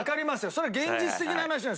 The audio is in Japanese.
それは現実的な話なんですよ。